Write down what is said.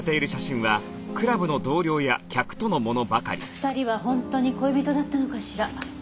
２人は本当に恋人だったのかしら？